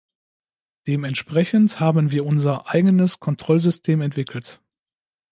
Dementsprechend haben wir unser eigenes Kontrollsystem entwickelt.